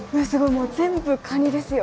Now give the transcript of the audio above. もう全部カニですよ。